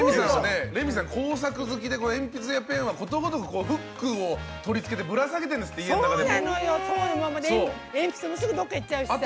レミさん、工作好きで鉛筆やペンは、ことごとくフックを取り付けてぶら下げてるんですって鉛筆もすぐどっかいっちゃうしさ。